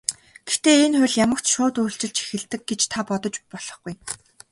Гэхдээ энэ хууль ямагт шууд үйлчилж эхэлдэг гэж та бодож болохгүй.